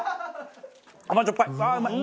甘じょっぱい！